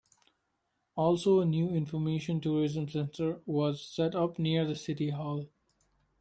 Also a new Information Tourism Center was set up near the City Hall.